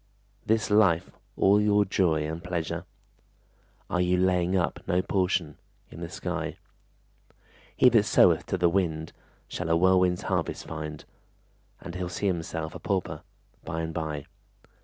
This life all your joy and pleasure? Are you laying up no portion In the sky? He that soweth to the wind Shall a whirlwind's harvest find, And he'll see himself a pauper By and by.